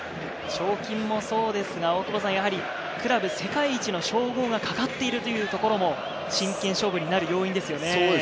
賞金もそうですが、クラブ世界一の称号がかかっているというところも真剣勝負になる要因ですよね。